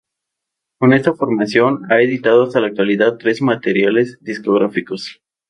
Con esta formación ha editado hasta la actualidad tres materiales discográficos.